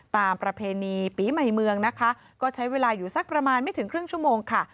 ประเพณีปีใหม่เมืองนะคะก็ใช้เวลาอยู่สักประมาณไม่ถึงครึ่งชั่วโมงค่ะ